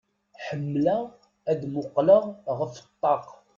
Ḥemmleɣ ad muqqleɣ ɣef ṭṭaq.